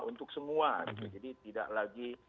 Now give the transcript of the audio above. untuk semua jadi tidak lagi